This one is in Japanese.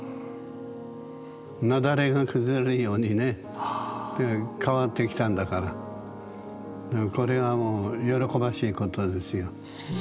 雪崩が崩れるようにね変わってきたんだからこれはもう喜ばしいことですよ。